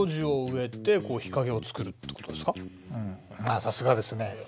ああさすがですね。